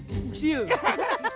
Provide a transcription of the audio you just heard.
yuk kita hantusil